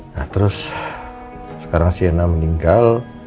nah terus sekarang siena meninggal